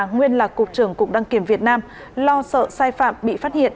nguyên là cục trưởng cục đăng kiểm việt nam lo sợ sai phạm bị phát hiện